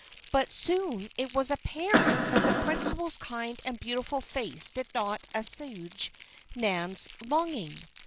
But soon it was apparent that the principal's kind and beautiful face did not assuage Nan's longing.